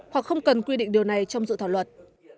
hoặc không cần quy định điều này trong dự thảo luật